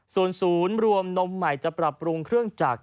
ส่วนศูนย์รวมนมใหม่จะปรับปรุงเครื่องจักร